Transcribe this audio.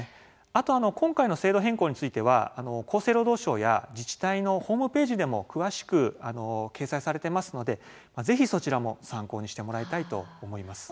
あとこの今回の制度変更については厚生労働省や自治体のホームページでも詳しく掲載されていますのでぜひそちらも参考にしてもらいたいと思います。